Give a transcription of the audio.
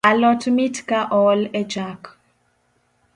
Alot mit ka ool e chak